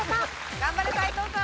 頑張れ斎藤さん。